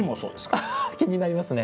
気になりますね。